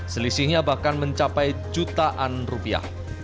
selisihnya bahkan mencapai jutaan rupiah